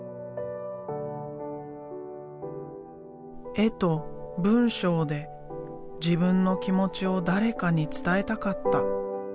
絵と文章で自分の気持ちを誰かに伝えたかった。